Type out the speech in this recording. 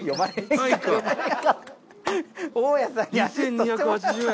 ２，２８０円。